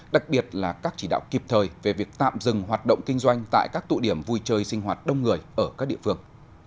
đặc biệt là các chỉ đạo kịp thời về việc tạm dừng hoạt động kinh doanh tại các tụ điểm vui chơi sinh hoạt đông người ở các địa phương